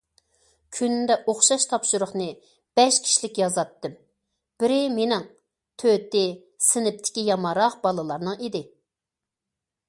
كۈندە ئوخشاش تاپشۇرۇقنى بەش كىشىلىك يازاتتىم، بىرى مېنىڭ، تۆتى سىنىپتىكى يامانراق بالىلارنىڭ ئىدى.